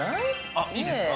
◆あっ、いいですか。